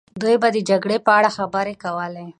دوی به د جګړې په اړه خبرې کولې.